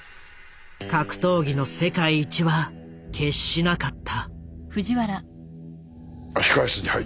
格闘技の世界一は決しなかった。